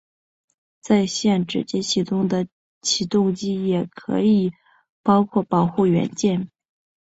在线直接起动的启动器也可以包括保护元件。